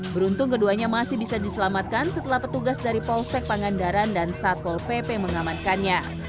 beruntung keduanya masih bisa diselamatkan setelah petugas dari polsek pangandaran dan satpol pp mengamankannya